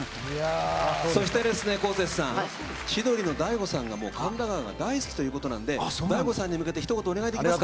そして、こうせつさん千鳥の大悟さんが「神田川」が大好きということで大悟さんに向けてひと言お願いできますか。